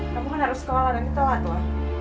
kamu kan harus sekolah nanti tau gak tua